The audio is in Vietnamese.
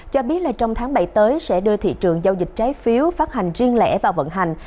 cho biết là trong tháng bảy tới sẽ đưa thị trường giao dịch trái phiếu phát hành riêng lẻ vào vận hành